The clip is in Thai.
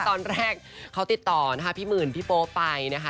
ตอนแรกเขาติดต่อนะคะพี่หมื่นพี่โป๊ไปนะคะ